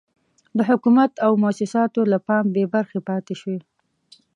د حکومت او موسساتو له پام بې برخې پاتې شوي.